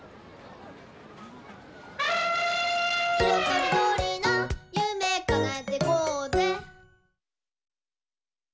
とりどりなゆめかなえてこうぜ！」